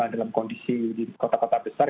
dalam kondisi di kota kota besar